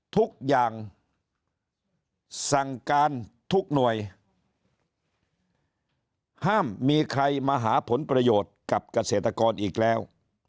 ทุกอย่างสั่งการทุกหน่วยห้ามมีใครมาหาผลประโยชน์กับเกษตรกรอีกแล้ว